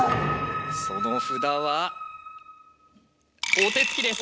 その札はおてつきです！